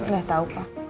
gak tau pak